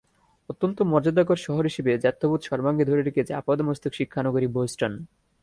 অত্যন্ত মর্যাদাকর শহর হিসেবে জাত্যবোধ সর্বাঙ্গে ধরে রেখেছে আপাদমস্তক শিক্ষা নগরী বোস্টন।